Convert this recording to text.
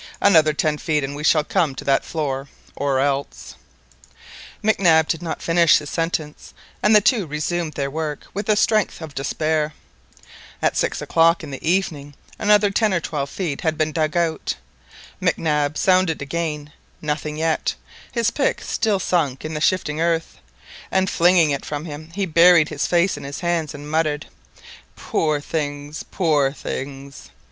Another ten feet and we shall come to that floor, or else"—— Mac Nab did not finish his sentence, and the two resumed their work with the strength of despair. At six o'clock in the evening, another ten or twelve feet had been dug out. Mac Nab sounded again, nothing yet, his pick still sunk in the shifting earth, and flinging it from him, he buried his face in his hands and muttered— "Poor things, poor things!"